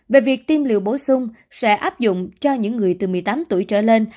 về việc tiêm liều bổ sung sẽ áp dụng cho những người từ một mươi tám tuổi trở lên